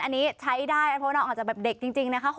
อันนี้ใช้ได้เพราะว่าน้องอรร้อยแต่เด็กจริงนะคะ